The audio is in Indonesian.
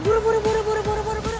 buru buru buru